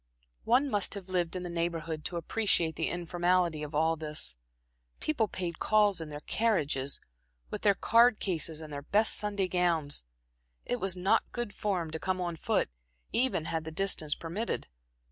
One must have lived in the Neighborhood to appreciate the informality of all this. People paid calls in their carriages, with their card cases and their best Sunday gowns it was not good form to come on foot, even had the distances permitted.